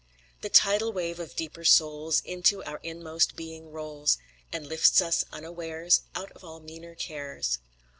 The tidal wave of deeper souls Into our inmost being rolls, And lifts us unawares Out of all meaner cares.